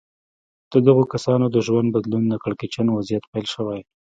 د دغو کسانو د ژوند بدلون له کړکېچن وضعيت پيل شوی.